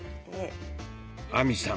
亜美さん